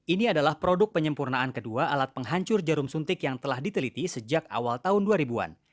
ini adalah produk penyempurnaan kedua alat penghancur jarum suntik yang telah diteliti sejak awal tahun dua ribu an